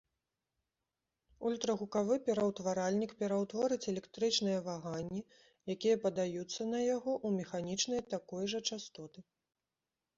Ультрагукавы пераўтваральнік пераўтворыць электрычныя ваганні, якія падаюцца на яго, у механічныя такой жа частоты.